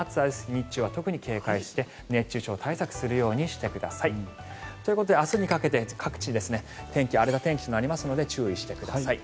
日中は特に警戒して熱中症対策をするようにしてください。ということで明日にかけて各地、荒れた天気となりますので注意してください。